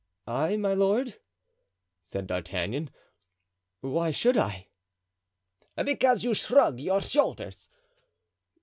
"I, my lord?" said D'Artagnan; "why should I?" "Because you shrug your shoulders."